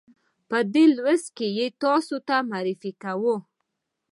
په دې لوست کې یې تاسې ته معرفي کوو.